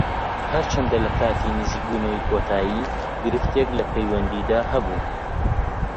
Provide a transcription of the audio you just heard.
هەرچەندە لە کاتی نزیکبوونەوەی کۆتایی گرفتێک لە پەیوەندیدا هەبوو